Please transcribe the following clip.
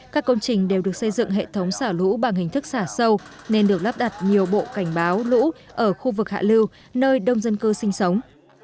các công trình đều được xây dựng hệ thống xả lũ bằng hình thức xả sâu nên được lắp đặt nhiều bộ cảnh báo lũ ở khu vực hạ lưu nơi đông dân cư sinh sống